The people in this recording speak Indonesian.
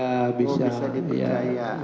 oh bisa dipercaya